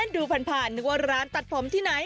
ดูผ่านนึกว่าร้านตัดผมที่ไหน